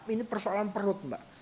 ini persoalan perut mbak